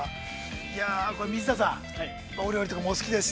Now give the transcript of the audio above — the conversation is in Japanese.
いや、これ、水田さん、お料理とかもお好きですし。